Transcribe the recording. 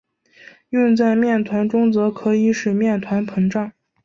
用在面团中则可以使面团膨胀。